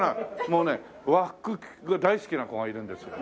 もうね和服が大好きな子がいるんですよ。